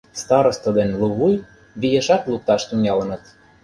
Старосто ден лувуй виешак лукташ тӱҥалыныт.